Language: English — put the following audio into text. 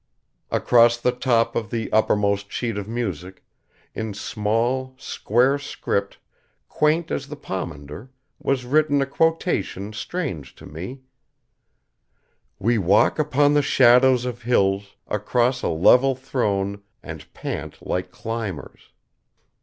Across the top of the uppermost sheet of music, in small, square script quaint as the pomander, was written a quotation strange to me: "We walk upon the shadows of hills across a level thrown, and pant like climbers."